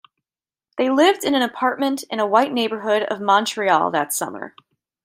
They lived in an apartment in a white neighborhood of Montreal that summer.